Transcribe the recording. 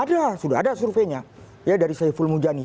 ya sudah ada surveinya ya dari saya fulmujani